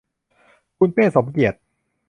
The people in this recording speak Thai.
คุณเป้ สมเกียรติ